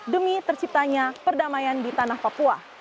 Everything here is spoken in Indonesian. demi terciptanya perdamaian di tanah papua